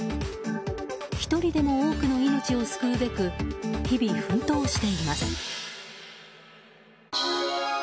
一人でも多くの命を救うべく日々、奮闘しています。